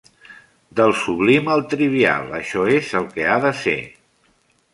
Del sublim al trivial, això és el que ha de ser.